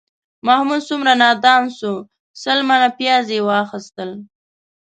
محمود څومره نادان شو، سل منه پیاز یې واخیستل